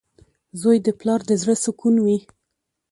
• زوی د پلار د زړۀ سکون وي.